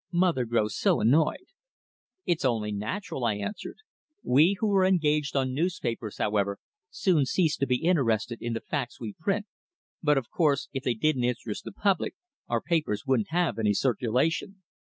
Mother grows so annoyed." "It's only natural!" I answered. "We who are engaged on newspapers, however, soon cease to be interested in the facts we print, but of course, if they didn't interest the public our papers wouldn't have any circulation."